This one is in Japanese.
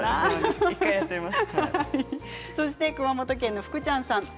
１回やってみます。